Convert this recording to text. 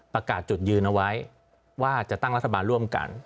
ประกาศจุดยืนเอาไว้ว่าจะตั้งรัฐบาลร่วมกัน